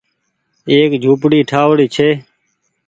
ايڪ جهوپڙي ٺآئوڙي ڇي